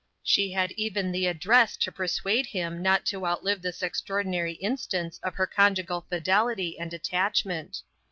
She had even the address to persuade him not to outlive this extraordinary instance of her conjugal fidelity and attachment.